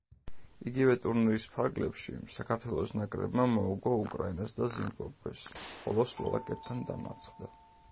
იგივე ტურნირის ფარგლებში, საქართველოს ნაკრებმა მოუგო უკრაინას და ზიმბაბვეს, ხოლო სლოვაკეთთან დამარცხდა.